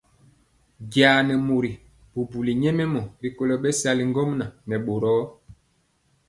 Jaa nɛ mori bubuli nyɛmemɔ rikolo bɛsali ŋgomnaŋ nɛ boro.